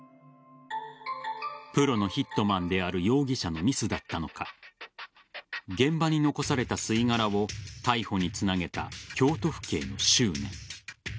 プロのヒットマンである容疑者のミスだったのか現場に残された吸い殻を逮捕につなげた京都府警の執念。